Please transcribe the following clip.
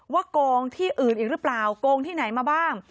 โกงที่อื่นอีกหรือเปล่าโกงที่ไหนมาบ้าง